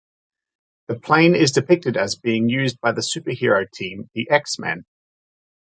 The plane is depicted as being used by the superhero team the X-Men.